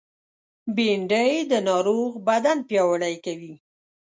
بېنډۍ د ناروغ بدن پیاوړی کوي